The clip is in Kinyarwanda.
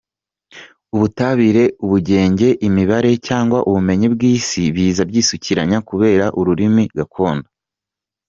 ubutabire, ubugenge, imibare cyangwa ubumenyi bw’Isi biza byisukiranya kubera ururimi gakondo.